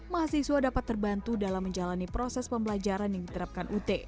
mahasiswa dapat terbantu dalam menjalani proses pembelajaran yang diterapkan ut